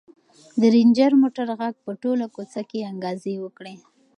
د رنجر موټر غږ په ټوله کوڅه کې انګازې وکړې.